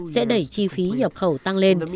sẽ đẩy chi phí nhập khẩu tăng lên